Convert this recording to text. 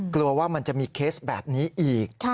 กลัวว่ามันจะมีเคสแบบนี้อีก